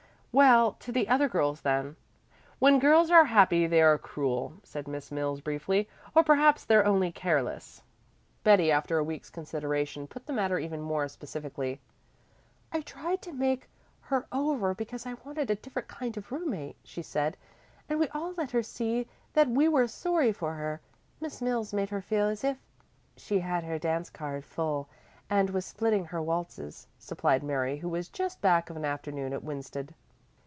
"Well, to the other girls then." "When girls are happy they are cruel," said Miss Mills briefly, "or perhaps they're only careless." Betty, after a week's consideration, put the matter even more specifically. "I tried to make her over because I wanted a different kind of roommate," she said, "and we all let her see that we were sorry for her. Miss Mills made her feel as if " "She had her dance card full and was splitting her waltzes," supplied Mary, who was just back from an afternoon at Winsted.